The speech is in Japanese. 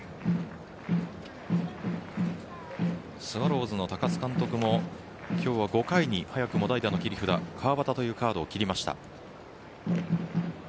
スワローズの高津監督も今日は５回に早くも代打の切り札川端というカードを切りました。